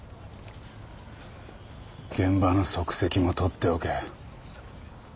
現場の足跡も撮っておけ。